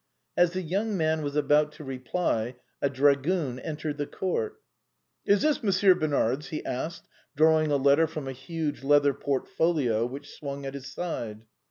As the young man was about to reply, a dragoon entered the court. " Is this Monsieur Bernard's ?" he asked, drawing a letter from a huge leather portfolio which swung at his side.